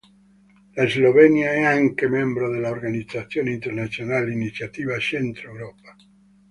La Slovenia è anche membro dell'organizzazione internazionale Iniziativa Centro Europea.